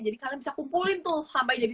jadi kalian bisa kumpulin tuh sampai jadi